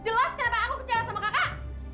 jelas kenapa aku kecewa sama kakak